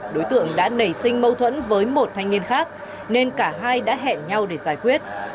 đối tượng đã nảy sinh mâu thuẫn với một thanh niên khác nên cả hai đã hẹn nhau để giải quyết